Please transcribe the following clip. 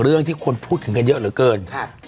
เรื่องที่คนพูดถึงกันเยอะเหลือเกิน